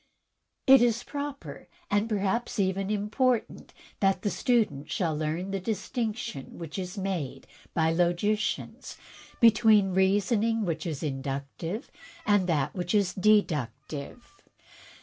'' "It is proper and perhaps even important that the student shall learn the distinction which is made by logicians between reasoning which is inductive and that which is deductive.